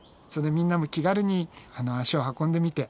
みんなも気軽に足を運んでみて下さい。